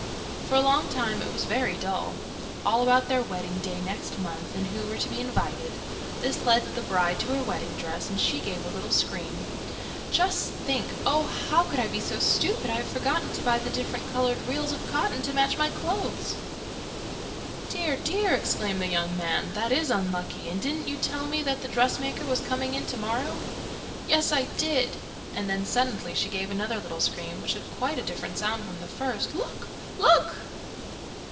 For a long time it was very dull all about their wedding day next month, and who were to be invited. This led the bride to her wedding dress, and she gave a little scream. 'Just think! Oh! how could I be so stupid! I have forgotten to buy the different coloured reels of cotton to match my clothes!' 'Dear, dear!' exclaimed the young man. 'That is unlucky; and didn't you tell me that the dressmaker was coming in to morrow?' 'Yes, I did,' and then suddenly she gave another little scream, which had quite a different sound from the first. 'Look! Look!